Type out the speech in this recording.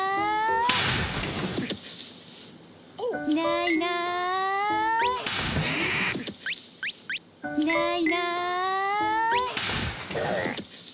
いないいない。